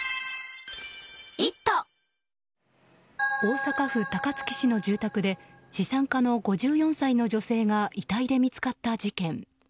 大阪府高槻市の住宅で資産家の５４歳の女性が遺体で見つかった事件。